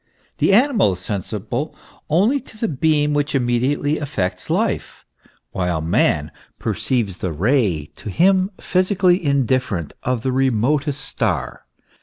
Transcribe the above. The animal is sensible only of the beam which immediately affects life ; while man perceives the ray, to him physically indifferent, of the remotest star.